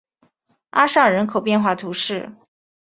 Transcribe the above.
阿尚人口变化图示